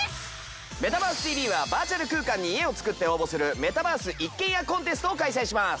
『メタバースＴＶ！！』はバーチャル空間に家を作って応募するメタバース一軒家コンテストを開催します。